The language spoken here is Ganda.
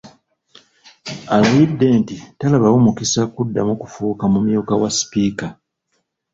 Alayidde nti talabawo mukisa kuddamu kufuuka mumyuka wa Sipiika.